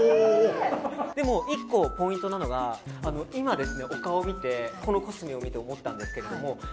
でも、１個ポイントなのがお顔を見て、このコスメを見て思ったんですけど。